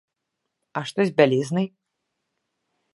А што з бялізнай?